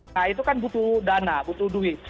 nah itu kan butuh dana butuh duit